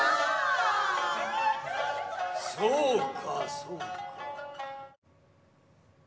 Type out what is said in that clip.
そうかそうか。